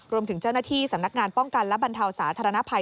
รวมถึงเจ้าหน้าที่สำนักงานป้องกันและบรรเทาสาธารณภัย